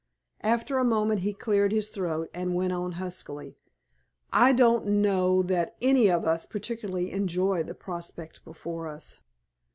After a moment he cleared his throat and went on huskily, "I don't know that any of us particularly enjoy the prospect before us."